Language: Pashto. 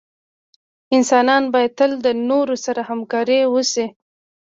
انسانان باید تل دنورو سره همکار اوسې